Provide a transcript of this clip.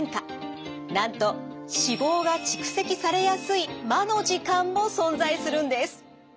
なんと脂肪が蓄積されやすい魔の時間も存在するんです。